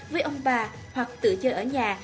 với ông bà hoặc tự chơi ở nhà